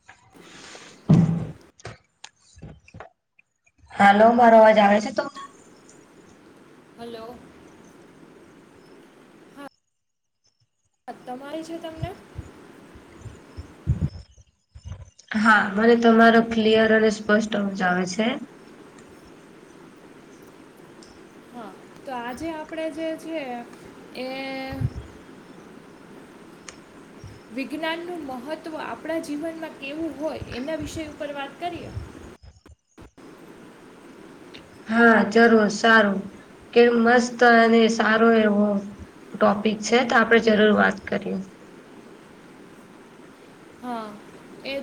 [inaudible] હાલો મારો અવાજ આવે છે તમને હલો [unintelligible] તમારે છે તમને હા મને તમારો ક્લિયર અને સ્પષ્ટ અવાજ આવે છે હા તો આજે આપણેે જે છે એ વિજ્ઞાનનું મહત્ત્વ આપણા જીવનમાં કેવું હોય એના વિષય ઉપર વાત કરીએ હા જરૂર સારું કે મસ્ત અને સારો એવો ટોપિક છે તો આપણે જરૂર વાત કરીએ હા એજ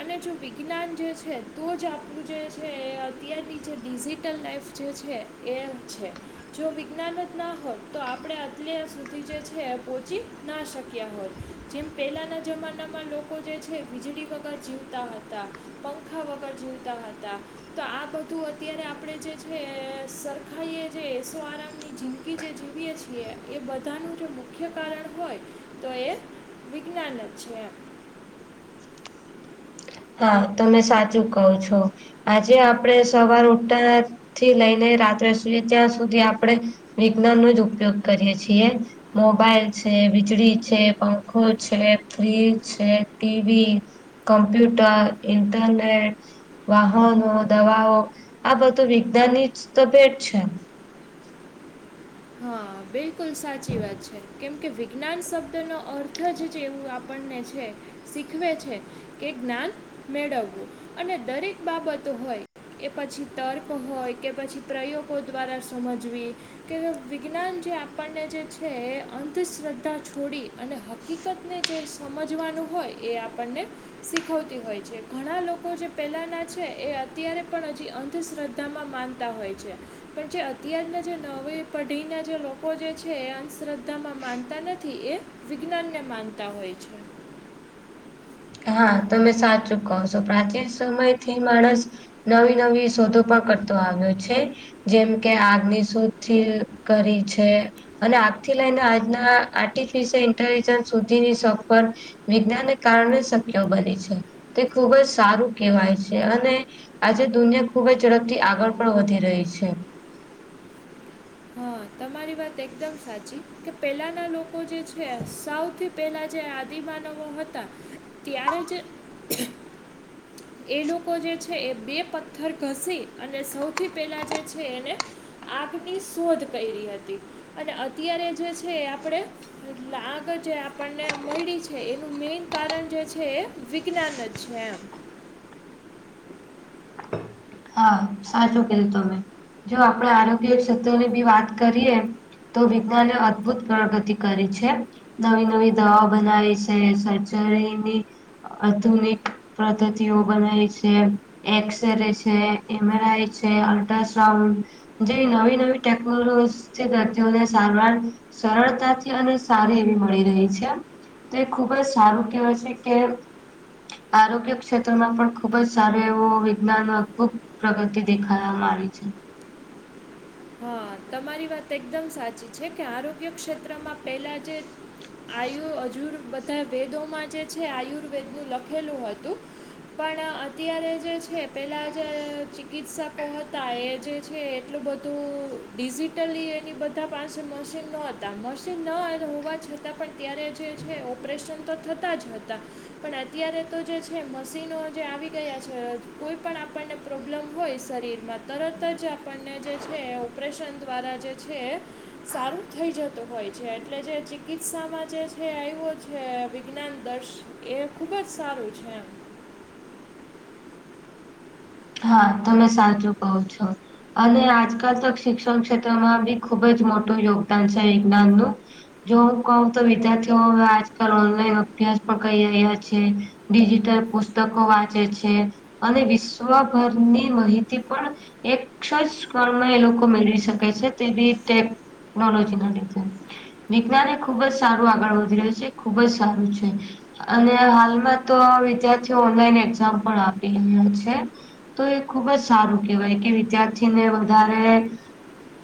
અને જો વિજ્ઞાન જે છે તો જ આપણું જે છે એ અત્યારની જે ડિજિટલ લાઈફ જે છે એમ છે જો વિજ્ઞાન જ ના હોત તો આપણે અત્યાર સુધી જે છે એ પહોંચી ના શક્યા હોત જેમ પહેલાના જમાના નામાં લોકો જે છે વીજળી વગર જીવતા હતા પંખા વગર જીવતા હતા તો આ બધું અત્યારે આપડે જે છે સરખાઈએ જે એસો આરામની જિંદગી જે જીવીએ છીએ એ બધાનું જો મુખ્ય કારણ હોય તો એ વિજ્ઞાન જ છે એમ હા તમે સાચું કહો છો આજે આપડે સવાર ઉઠતા થી લઈને રાત્રે સુઈએ ત્યાં સુધી આપણે વિજ્ઞાન નો જ ઉપયોગ કરીએ છીએ. મોબાઈલ છે વીજળી છે પંખો છે ફ્રીજ છે ટીવી કમ્પ્યુટર ઇન્ટરનેટ વાહનો દવાઓ આ બધું વિજ્ઞાનની જ ભેટ છે. હા બિલકુલ સાચી વાત છે કેમકે વિજ્ઞાન શબ્દ નો અર્થ જ એવું આપ આપણને છે શીખવે છે કે જ્ઞાન મેળવવું અને દરેક બાબતો હોય એ પછી તર્ક હોય કે પછી પ્રયોગો દ્વારા સમજવી કે વિજ્ઞાન જે આપણને જે છે એ અંધશ્રદ્ધા છોડી અને હક હકીકતને જે સમજવાનું હોય એ આપણને શીખવતી હોય છે ઘણા લોકો જે પેલાના છે એ અત્યારે પણ હજી અંધશ્રદ્ધા તમા માનતા હોય છે પણ જે અત્યારના જે નવે પઢીના જે લોકો જે છે એ અંધશ્રદ્ધામાં માનતા નથી એ વિજ્ઞાન ને માનતા હોય છે. હા તમે સાચું કહો છો પ્રાચીન સમય થી માણસ નવી નવી શોધો પણ કરતો આવ્યો છે. જેમ કે આગની શોધય કરી છે. અને આગથી લઈને આજના આર્ટિફિશયલ ઇન્ટેલિજન્સ સુધીની સફર વિજ્ઞાનને કારણે શક્ય બને છે તે ખૂબ જ સારું કહેવાય છે અને આજે દુનિયા ખુબ જ ઝડપથી આગળ પણ વધી રહી છે. હા તમારી વાત એકદમ સાચી કે પેલાના લોકો જે છે સાવથી પેલા જે આદિમાનવો હતા ત્યારે જ. એ લોકો જે છે એ બે પથ્થર ઘસી અને સૌથી પહેલા જે છે એને આગની શોધ કેયરી હતી અને અત્યારે જે છે એ આપણે એટલે આગળ જે આપણને મળી છે એનું મેન કારણ જે છે એ વિજ્ઞાન જ છે એમ હા સાચું કેધું તમે જો આપડે આરોગ્ય ક્ષેત્રની બી વાત કરીએ તો વિજ્ઞાને અદભુત પ્રગતિ કરી છે. નવી નવી દવા બનાવી છે સર્જરીની આધુનિક પદ્ધતિઓ બનાવે છે એમ એક્સ ર છે એમરાઈ છે અલ્ટ્રાસઉન્ડ જે નવી નવી ટેકનોલોજી દર્દીઓને સારવાર સરળતાથી અને સારી એવી મળી રહી છે. તો એ ખુબ જ સારું કહેવાય છે કે આરોગ્ય ક્ષેત્રમાં પણ ખુબ જ સારું એવું વિજ્ઞાન ખૂબ પ્રગતિ દેખાડા મા આવી છે. હા તમારી વાત એકદમ સાચી છે કે આરોગ્ય ક્ષેત્રમાં પેલા જે આયુ અજુર બધા વેદોમાં જે છે આયુર્વેદ નું લખેલું હતું પણ અત્યારે જે છે પેલા જે ચિકિત્સકો હતા એ જે છે એટલું બધું ધું. ડિજિટલી ઈ એની બધા પાસે મશીન નો હતા મશીન ના અ હોવા છતાં પણ ત્યારે જે છે ઓપરેશન તો થતા જ હતા પણ અત્યારે તો જે છે મશીનો જે આવી ગયા છે કોઈ પણ આપણને પ્રોબ્લેમ હોય શરીરમાં તરત જ ને ઓપરેશન દ્વારા જે છે સારું થઈ જ જતું હોય છે એટલે જે ચિકિત્સામાં જે છે આવ્યો છે વિજ્ઞાન દર્શ એ ખુબ જ સારું છે એમ. હા તમે સાચું કો છો. અને આજકાલ તો શિક્ષણ ક્ષેત્રમાં બી ખુબ જ મોટું યોગદાન છે વિજ્ઞાનનું. જો હું કહઉ તો વિદ્યાર્થીઓ હવે આજકાલ ઓનલાઈન અભ્યાસ પણ કહી રહ્યા છે. ડિજિટલ પુસ્તકો વાંચે છે, અને વિશ્વભરની માહિતી પણ એક જ કણમાં એ લોકો મેળવી શકે છે તેવીતે ટેકનોલોજીના ડી વિજ્ઞાન એ ખુબ જ સારું આગળ વધી રહ્યું છે ખુબ જ સારું છે. અને હાલમાં તો વિદ્યાર્થીઓ ઓનલાઈન એક્ઝામ પણ આપી રહ્યા છે. તો એ ખુબ જ સારું કહેવાય કે વિદ્યાર્થીને વધારે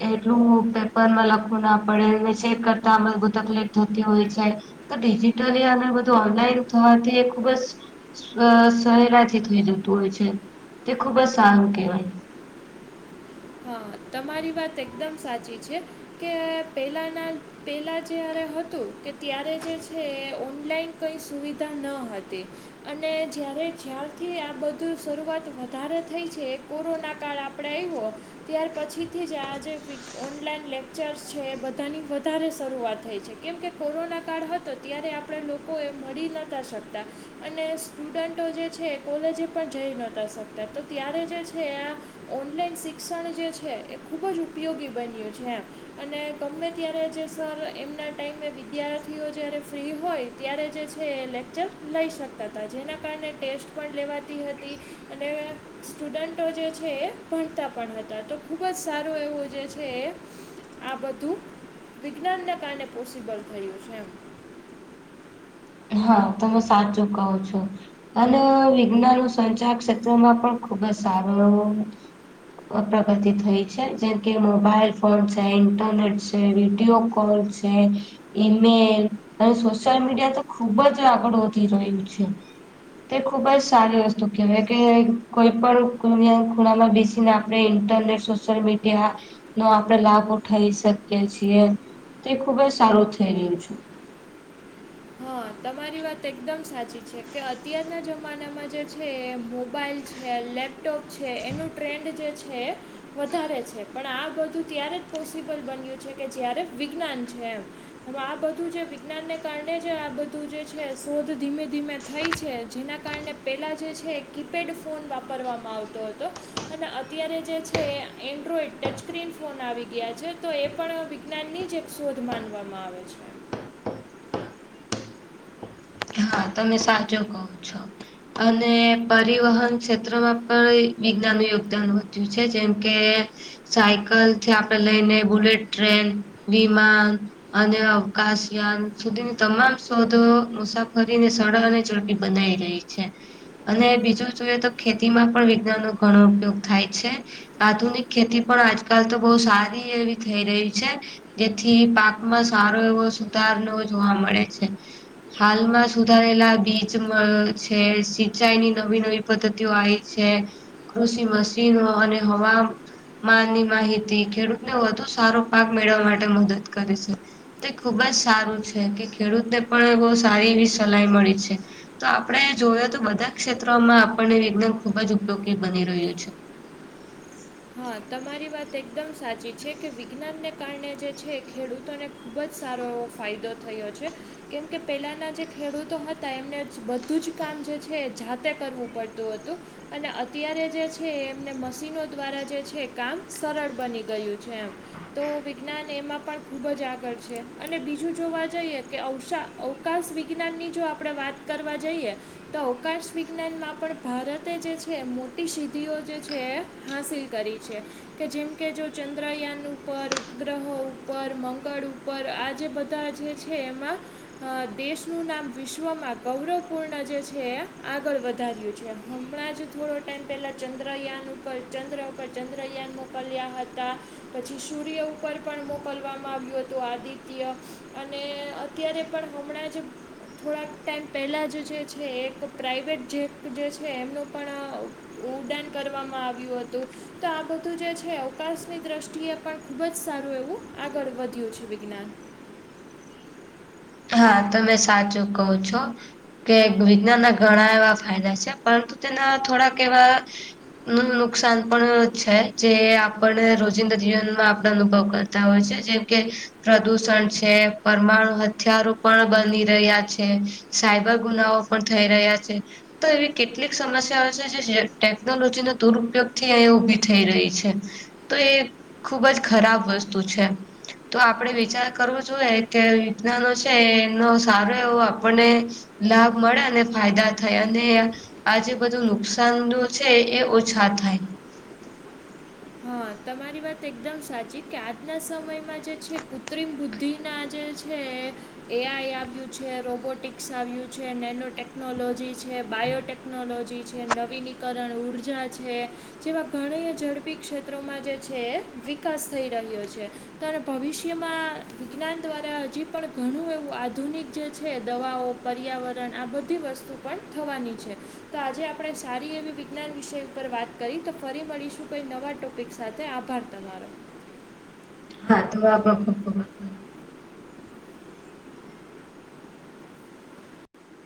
એટલું પેપરમાં લખવું ના પડે ચેક કરતા આ બુ તકલીફ થતી હોય છે. તો ડિજિટલી અને બધું ઓનલાઈન થવાથી એ ખુબ જ સહેરાથી થઈ જતું હોય છે, તે ખુબ જ સારું કહેવાય. હા તમારી વાત એકદમ સાચી છે, કે પહેલાંના પહેલા જ્યારે હતું કે ત્યારે જે છે એ ઓનલાઈન કઈ સુવિધા ન હતી. અને જ્યારે જ્યારથી આ બધું શરૂઆત વધારે થઈ છે. કોરોના કાળ આપણે આવ્યો, ત્યાર પછીથી જ આજે ઓનલાઈન લેપ ચર્ચ છે એ બધાની વધારે શરૂઆત થઈ છે કેમ કે કોરોના કાળ હતો ત્યારે આપ આપણે લોકોએ મળી નતા શકતા. અને સ્ટુડન્ટો જે છે કોલેજ પણ જઈ નહતા શકતા તો ત્યારે જે છે આ ઓનલાઈન શિક્ષણ જે છે એ ખૂબ જ ઉપયોગી બન્યું છે એમ. અને ગમે ત્યારે જે સર એમના ટાઈમે વિદ્યાર્થીઓ જય્યારે ફ્રી હોય. ત્યારે જે છે એ લેક્ચર લઈ શકતા હતા જેના કારણે ટેસ્ટ પણ લેવાતી હતી. અને સ્ટુડન્ટો જે છે એ ભણતા પણ હતા તો ખૂબ જ સારું એવું જે છે એ આ બધું વિજ્ઞાનને કારણે પોસિબલ થયું છે. હા તમે સાચું કાવો છો. અને વિજ્ઞાન સંચાર ક્ષેત્રમાં પણ ખુબ જ સારો પ્રગતિ થઈ છે જેમ કે મોબાઈલ ફોન છે, ઇન્ટરનેટ છે, વિડીયો કોલ છે. ઈમેલ અને સોશિયલ મીડિયા તો ખુબ જ આગળ વધી રહ્યું છે. તે ખુબ જ સારી વસ્તુ કહેવાય કે કોઈ પણ ખૂણામાં બેસી નાખ આપણે ઇન્ટરનેટ સોશિયલ મીડિયાનો, આપણે લાભો થઇ શકીએ છીએ. તે ખુબ જ સારું થઈ રહ્યું છે. હા, તમારી વાત એકદમ સાચી છે કે અત્યારના જમાનામાં જે છે એ મોબાઈલ છે. લેપટોપ છે એનું ટ્રેન્ડ જે છે, એ વધારે છે. પણ આ બધું ત્યારે જ પોસિબલ બન્યું છે કે જયારે વિજ્ઞાન છે એમ. અને આ બધું છે વિજ્ઞાનને કારણે આ બધું જે છે શોધ ધીમે-ધીમે થઈ છે જેના કારણે પેલા જે છે કીપેડ ફોન વાપરવામાં આવતો હતો. અને અત્યારે જે છે એન્ડ્રોઈડ ટચ સ્ક્રીન ફોન આવી ગયા છે તો એ પણ જજ્ઞાનની જ એક શોધ માનવામાં આવે છે. હા તમે સાચુ કહો છો. અને પરિવહન ક્ષેત્રમાં પણ વિજ્ઞાનનું યોગદાન વધ્યું છે જેમ કે સાયકલ છે આપણે લઈને બુલેટ ટ્રેન, વિમાન. અને અવકાશયાન સુધીની તમામ શોધો મુસાફ કરીને [unintelligible] અને ચરકી બનાવી રહી છે. અને બીજું જોઈએ તો ખેતીમાં પણ વિજ્ઞાનનો ઘણો ઉપયોગ થાય છે. આધુનિક ખેતી પણ આજકાલ તો બહુ સારી એવી થઈ રહી છે. જેથી પાકમાં સારો એવો સુધાર જોવા મળે છે, હાલમાં સુધારેલા બીચમાં છે, સિંચાઈની નવી-નવી પદ્ધતિઓ આવી છે. કૃષિ મશીન અને હવા માની માહિતી ખેડૂતને વધુ સારો પાક મેળવવા માટે મદદ કરે છે. તે ખુબ જ સારું છે, કે ખેડૂતને પણ બહુ સારી એવી સલાહ મળી છે. તો આપણે જોઈએ તો બધા ક્ષેત્રોમાં આપણને વિજ્ઞાન ખુબ જ ઉપયોગી બની રહ્યું છે. હા, તમારી વાત એકદમ સાચી છે કે વિજ્ઞાનને કારણે જે છે ખેડૂતોને ખૂબ જ સારો એવો ફાયદો થયો છે. કેમકે પેલાના જે ખેડૂતો હતા એમને બધું જ કામ જે છે એ જાતે કરવું પડતું હતું અને અત્યારે જે છે એમને મશીનો દ્વારા જે છે કામ સરળ બની ગયું છે એમ તો વિજ્ઞાન એમાં પણ ખુબ જ આગળ છે અને બીજું જોવા જઈએ કે અવષ અવકાશ વિજ્ઞાનની જો આપણે વાત કરવા જઈએ તો અવકાશ વિજ્ઞાનમાં પણ ભારતે જે છે મોટી સિદ્ધિઓ જે છે હાસલ કરી છે, કે જેમ કે જો ચંદ્રયાન ઉપર ઉપગ્રહ ઉપર મંગળ ઉપર પર આજે બધા જે છે એમાં દેશનું નામ વિશ્વમાં ગૌરવપૂર્ણ જે છે આગળ વધાર્યું છે. હમણાં જ થોડો ટાઈમ પહેલાં ચંદ્રયાન ઉપર ચંદ્ર ચંદ્રયાન મોકલ્યા હતા પછી સૂર્ય ઉપર પણ મોકલવામાં આવ્યું હતું, આદિત્ય અને અત્યારે પણ હમણાં જ થોડાક ટાઈમ પહેલાં જ જે છે એક પ્રાઇવેટ જેપ જે છે એમનો પણ ઉડાન કરવામાં આવ્યું હતું તો આ બધું જે છે અવકાશની દ્રષ્ટિએ પણ ખૂબ જ સારું એવું આગળ વધ્યું છે. વિજ્ઞાન હા, તમે સાચું કહો છો કે વિજ્ઞાનના ઘણા એવા ફાયદા છે, પરંતુ તેના થોડાક એવા નું નુકસાન પણ છે, જે આપણે રોજિંદા જીવનમાં આપણા અનુભવ કરે હોય છે, જેમ કે પ્રદુષણ છે પરમાણુ હથિયારો પણ બની રહ્યા છે સાયબર ગુનાઓ પણ થઈ રહ્યા છે. તો એવી કેટલીક સમસ્યાઓ છે જે જે ટેકનોલોજીના દુરુપયોગ થી અહીંયા ઉભી થઈ રહી છે. તો એ ખુબ જ ખરાબ વસ્તુ છે. તો આપડે વિચાર કરવો જોઈએ કે વિજ્ઞનો છે એનો સારો એવો આપણને લાભ મળે અને ફાયદા થાય અને આજે બધું નુકસાન નુ છે એ ઓછા થાય હા તમારી વાત એકદમ સાચી કે આજના સમયમાં જે છે કૃત્રિમ બુદ્ધિ ના જે છે. એ આઈ આવ્યું છે રોબોટિકસ આવ્યું છે નેનો ટેકનોલોજી છે બાયોટેક ટેકનોલોજી છે નવીનીકરણ ઉર્જા છે જેવા ઘણી ઝડપી ક્ષેત્રોમાં જે છે એ વિકાસ થઈ રહ્યો છે. ભવિષ્યમાં વિજ્ઞાન દ્વારા હજી પણ ઘણું એવું આધુનિક જે છે દવાઓ પર્યાવરણ આ બધી વસ્તુ પણ થવાની છે. તો આજે આપણે સારી એવી વિજ્ઞાન વિષય ઉપર વાત કરી તો ફરી મળીશું કઈ નવા ટોપિક સાથે આભાર તમા હા તો આપણો ખૂબ ખૂબ આભાર